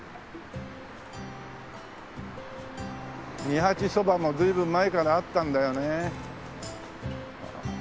「二八蕎麦」も随分前からあったんだよね。